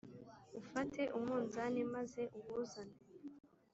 ufate umunzani maze uwuzane.